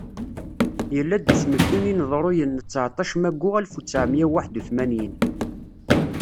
Yella-d usmekti n yineḍruyen n tesɛeṭac maggu alef utsɛemya uwaḥed utmanyin.